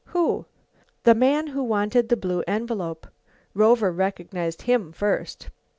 "Who?" "The man who wanted the blue envelope; Rover recognized him first."